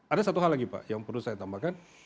ada satu hal lagi pak yang perlu saya tambahkan